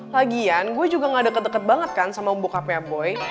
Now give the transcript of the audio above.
lagian gue juga gak deket deket banget kan sama membuka peaboy